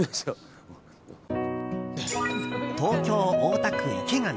東京・大田区池上。